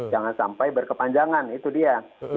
jangan sampai berkepanjangan itu dia